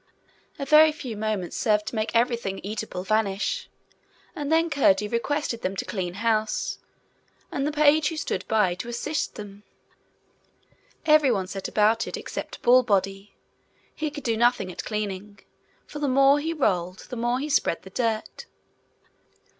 A very few moments served to make everything eatable vanish, and then Curdie requested them to clean house, and the page who stood by to assist them. Every one set about it except Ballbody: he could do nothing at cleaning, for the more he rolled, the more he spread the dirt.